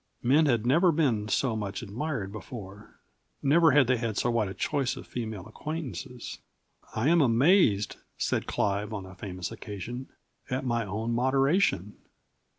Men had never been so much admired before. Never had they had so wide a choice of female acquaintances. "I am amazed," said Clive on a famous occasion, "at my own moderation."